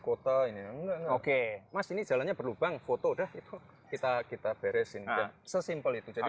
kota ini enggak oke mas ini jalannya berlubang foto dah itu kita kita beresin dan sesimpel itu jadi